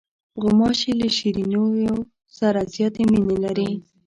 غوماشې له شیرینیو سره زیاتې مینې لري.